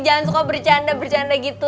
jangan suka bercanda bercanda gitu